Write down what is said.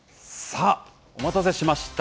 さあ、お待たせしました。